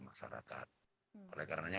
masyarakat oleh karena